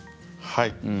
はい。